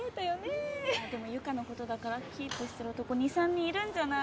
でも由佳のことだからキープしてる男２３人いるんじゃない？